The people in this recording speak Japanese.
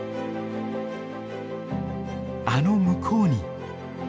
あの向こうに。